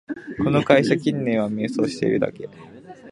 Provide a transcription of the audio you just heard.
この会社、近年は迷走してるだけ